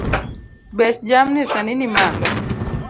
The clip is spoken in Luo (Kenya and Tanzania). Bech jamni sani ni malo